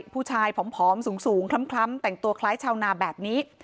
ผู้ชายผอมสูงคล้ำแต่งตัวคล้ายชาวนาแบบนี้